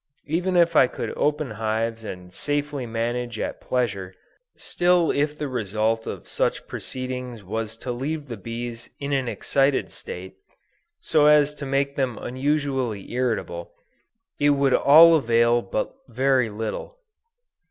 Even if I could open hives and safely manage at pleasure, still if the result of such proceedings was to leave the bees in an excited state, so as to make them unusually irritable, it would all avail but very little.